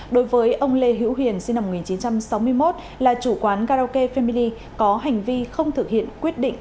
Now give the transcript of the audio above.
đối với ông lê hữu hiền sinh năm một nghìn chín trăm sáu mươi một là chủ quán karaoke family có hành vi không thực hiện quyết định